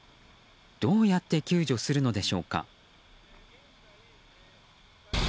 どうやって救助するのでしょうか。